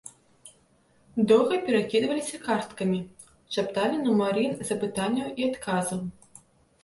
Доўга перакідваліся карткамі, шапталі нумары запытанняў і адказаў.